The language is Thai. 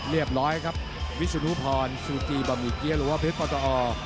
เรียบร้อยครับวิศนุพรซูจีบะหมี่เกี้ยหรือว่าเพชรปตอ